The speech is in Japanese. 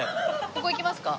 ここ行きますか？